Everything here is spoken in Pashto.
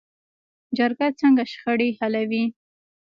جرګه څنګه شخړې حلوي؟